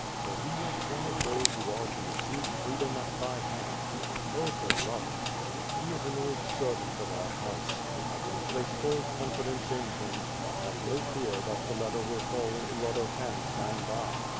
So he is one of those who are to receive freedom at thy hands. Oh, Beloved! He is an old ser^'ant of our house. I can place full con fidence in him, and have no fear that the letter will fall into other hands than thine.